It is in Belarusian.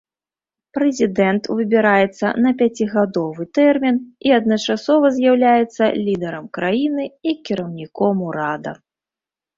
Прэзідэнт выбіраецца на пяцігадовы тэрмін і адначасова з'яўляецца лідарам краіны і кіраўніком урада.